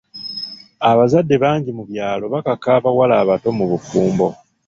Abazadde bangi mu byalo bakaka abawala abato mu bufumbo.